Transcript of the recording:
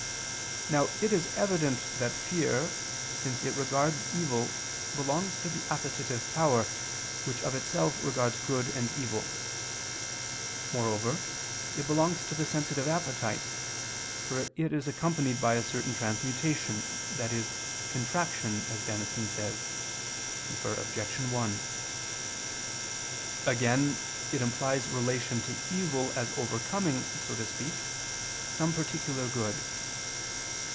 Now it is evident that fear, since it regards evil, belongs to the appetitive power, which of itself regards good and evil. Moreover, it belongs to the sensitive appetite: for it is accompanied by a certain transmutation i.e. contraction as Damascene says (Cf. Obj. 1). Again, it implies relation to evil as overcoming, so to speak, some particular good.